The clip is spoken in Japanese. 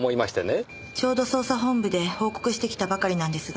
ちょうど捜査本部で報告してきたばかりなんですが。